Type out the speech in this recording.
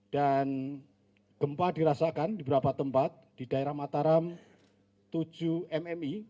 dan gempa dirasakan di beberapa tempat di daerah mataram tujuh mmi